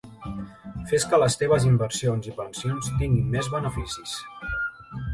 Fes que les teves inversions i pensions tinguin més beneficis.